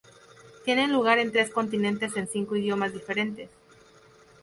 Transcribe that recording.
Tiene lugar en tres continentes en cinco idiomas diferentes.